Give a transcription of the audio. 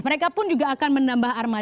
mereka pun juga akan menambah armada